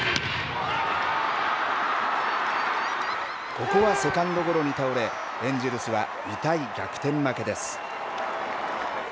ここはセカンドゴロに倒れ、エンジェルスは痛い逆転負けです。